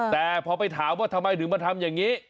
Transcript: แต่พอไปถามว่าทำไมถึงมาทำอย่างนี้